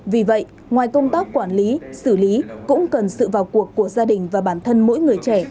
vì vậy ngoài công tác quản lý xử lý cũng cần sự vào cuộc của gia đình và bản thân mỗi người trẻ